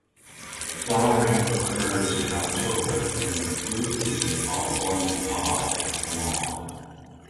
Flowering occurs in October and the fruit is an oblong pod long.